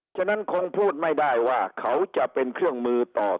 ฉะนั้นคงพูดไม่ได้ว่าเขาจะเป็นเครื่องมือต่อ